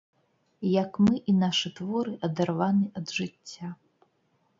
Як мы і нашы творы адарваны ад жыцця!